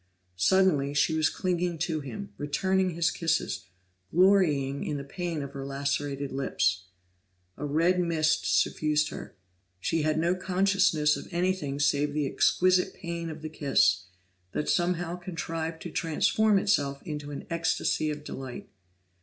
Suddenly she was clinging to him, returning his kisses, glorying in the pain of her lacerated lips. A red mist suffused her; she had no consciousness of anything save the exquisite pain of the kiss, that somehow contrived to transform itself into an ecstacy of delight.